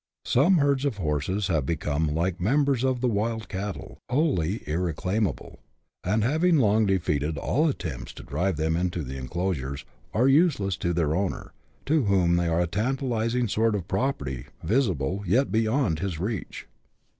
Some herds of horses have become, like numbers of the wild cattle, wholly irreclaimable ; and having long defeated all attempts to drive them into the enclosures, are useless to their owner, to whom they are a tantalizing sort of property, visible, yet beyond his reach.